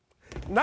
何！？